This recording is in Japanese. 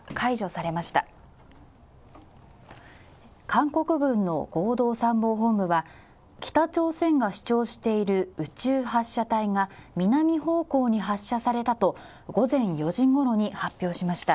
韓国軍の合同参謀本部は北朝鮮が主張している宇宙発射体が南方向に発射されたと、午前４時ごろに発表しました。